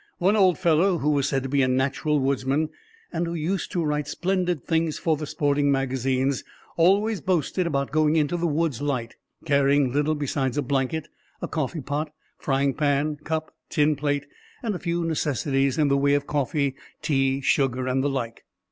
"One old fellow who was said to be a natural woodsman, and who used to write splendid things for the sporting magazines, always boasted about going into the woods light, carrying little besides a blanket, a coffeepot, frying pan, cup, tin plate, and a few necessities in the way of coffee, tea, sugar, and the like."